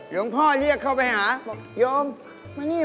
เรียกพ่อเรียกเข้าไปหาบอกโยมมานี่